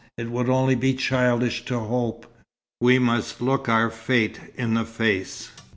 It would only be childish to hope. We must look our fate in the face.